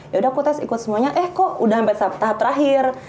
yaudah aku tes ikut semuanya eh kok udah sampai tahap terakhir